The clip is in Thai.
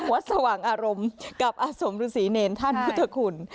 สว่างอารมณ์กับอาสมฤษีเนรท่านพุทธคุณ